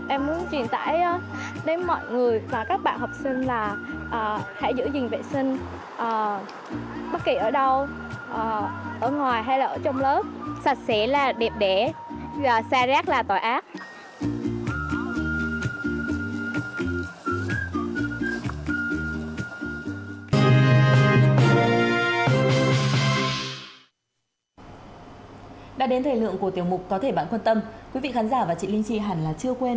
em muốn truyền tải đến mọi người và các bạn học sinh là